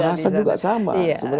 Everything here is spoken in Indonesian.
bahasa juga sama